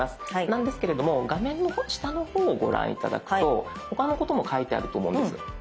なんですけれども画面の下の方をご覧頂くと他のことも書いてあると思うんです。